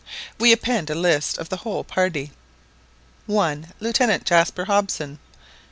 We append a list of the whole party:— 1. Lieutenant Jaspar Hobson.